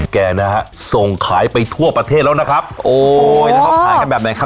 แกนะฮะส่งขายไปทั่วประเทศแล้วนะครับโอ้ยแล้วเขาขายกันแบบไหนครับ